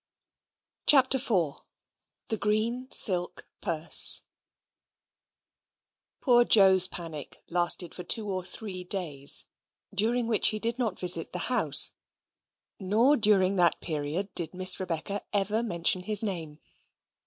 CHAPTER IV The Green Silk Purse Poor Joe's panic lasted for two or three days; during which he did not visit the house, nor during that period did Miss Rebecca ever mention his name.